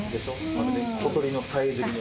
まるで小鳥のさえずりのよう。